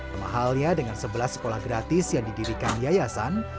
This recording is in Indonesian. kemahalnya dengan sebelas sekolah gratis yang didirikan yayasan